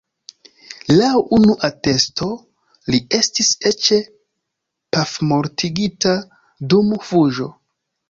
Laŭ unu atesto li estis eĉ pafmortigita dum fuĝo.